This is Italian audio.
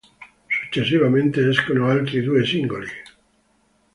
Successivamente escono altri due singoli.